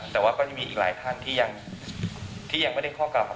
แต่ว่าก็ยังมีอีกหลายท่านที่ยังไม่ได้ข้อกล่าวหา